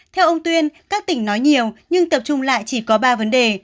theo ông tuyên các tỉnh nói nhiều nhưng tập trung lại chỉ có ba vấn đề